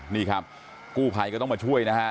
นี่ครับกู้ภัยก็ต้องมาช่วยนะฮะ